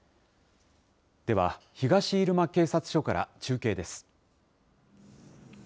では、東入間警察署から、中継です。